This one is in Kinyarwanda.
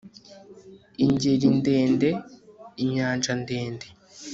ingeri ndende inyanja ndende